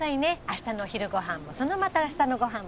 明日のお昼ご飯もそのまた明日のご飯も。